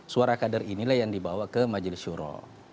suara kader inilah yang dibawa ke majelis syuro